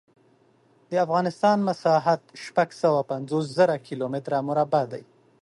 د افغانستان مسحت شپږ سوه پنځوس زره کیلو متره مربع دی.